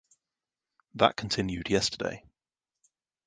That continued yesterday.